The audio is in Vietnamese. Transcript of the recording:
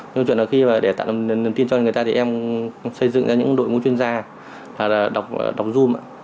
nhưng khi để tạo niềm tin cho người ta em xây dựng ra những đội ngũ chuyên gia đọc zoom